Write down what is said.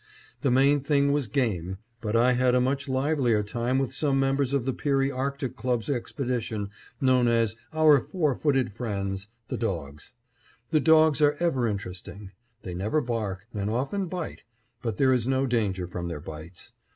The main thing was game, but I had a much livelier time with some members of the Peary Arctic Club's expedition known as "our four footed friends" the dogs. The dogs are ever interesting. They never bark, and often bite, but there is no danger from their bites.